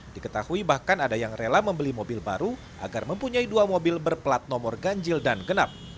diketahui bahkan ada yang rela membeli mobil baru agar mempunyai dua mobil berplat nomor ganjil dan genap